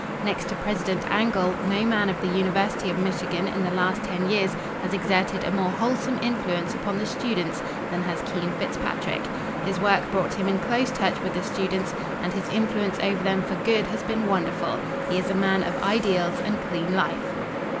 Next to President Angell, no man of the University of Michigan, in the last ten years, has exerted a more wholesome influence upon the students than has Keene Fitzpatrick. His work brought him in close touch with the students and his influence over them for good has been wonderful. He is a man of ideals and clean life."